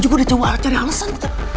gue juga udah cari alasan